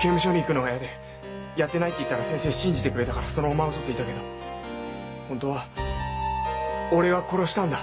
刑務所に行くのが嫌で「やってない」って言ったら先生信じてくれたからそのままウソついたけど本当は俺が殺したんだ。